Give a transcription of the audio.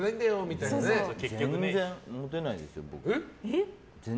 全然モテないですよ、僕。